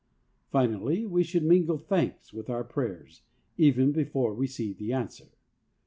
Finally, we should mingle thanks with our prayers, even before we see the answer.